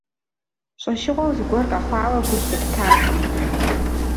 ЩӀэщыгъуэу зыгуэр къэхъуауэ гу лъыттакъым.